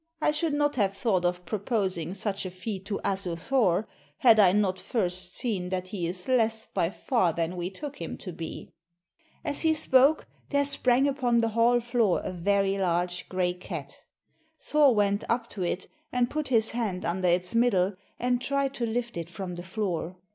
I should not have thought of proposing such a feat to Asu Thor, had I not first seen that he is less by far than we took him to be." As he spoke there sprang upon the hall floor a very large grey cat. Thor went up to it and put his hand under its middle and tried to lift it from the floor.